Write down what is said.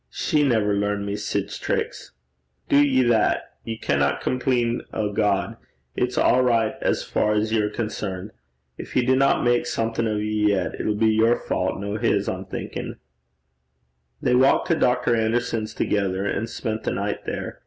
She never learned me sic tricks.' 'Do ye that. Ye canna compleen o' God. It's a' richt as far 's ye're concerned. Gin he dinna something o' ye yet, it'll be your wyte, no his, I'm thinkin'.' They walked to Dr. Anderson's together, and spent the night there.